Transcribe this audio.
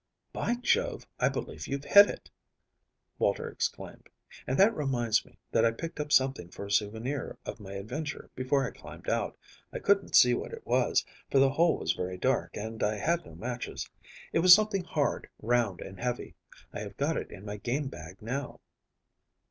"By Jove, I believe you've hit it," Walter exclaimed. "And that reminds me that I picked up something for a souvenir of my adventure before I climbed out. I couldn't see what it was, for the hole was dark and I had no matches. It was something hard, round and heavy. I have got it in my game bag now."